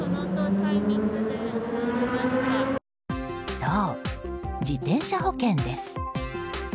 そう、自転車保険です。